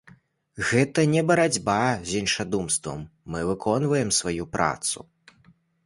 Гэта не барацьба з іншадумствам, мы выконваем сваю працу.